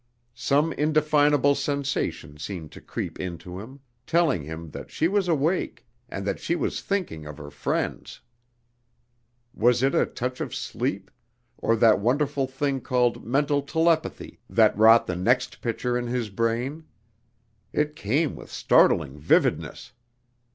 Some indefinable sensation seemed to creep into him, telling him that she was awake, and that she was thinking of her friends. Was it a touch of sleep, or that wonderful thing called mental telepathy, that wrought the next picture in his brain? It came with startling vividness.